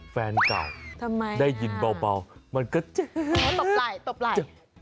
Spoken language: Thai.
แฟนเก่าทำไมได้ยินเบามันก็ตบไหล่ตบไหล่